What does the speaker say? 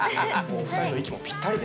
お二人の息もぴったりで。